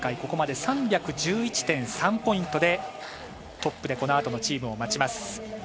ここまで３１１．３ポイントでトップでこのあとのチームを待ちます。